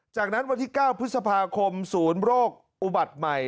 จากนั้นวันที่๙พฤษภาคมศูนย์โรคอุบัติใหม่